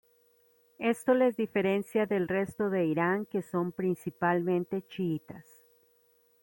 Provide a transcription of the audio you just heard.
Esto les diferencia del resto de Irán que son principalmente chiitas.